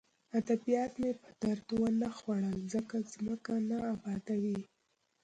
ادبیات مې په درد ونه خوړل ځکه ځمکه نه ابادوي